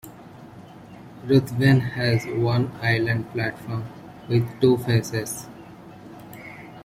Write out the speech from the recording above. Ruthven has one island platform with two faces.